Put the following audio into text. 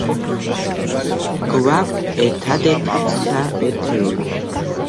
გვაქვს, ერთადერთი, ცხრა ერთეული.